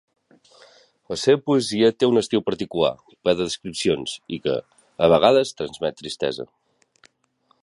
La seva poesia té un estil particular ple de descripcions i que, a vegades, transmet tristesa.